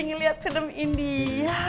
ngeliat film india